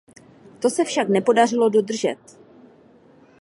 To se však nepodařilo dodržet.